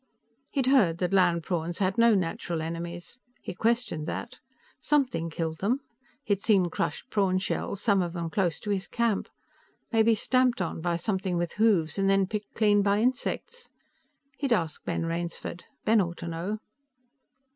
He'd heard that land prawns had no natural enemies; he questioned that. Something killed them. He'd seen crushed prawn shells, some of them close to his camp. Maybe stamped on by something with hoofs, and then picked clean by insects. He'd ask Ben Rainsford; Ben ought to know.